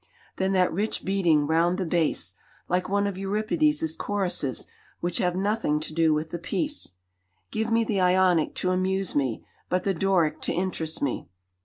Then that rich beading round the base, like one of Euripides' choruses which have nothing to do with the piece. Give me the Ionic to amuse me, but the Doric to interest me.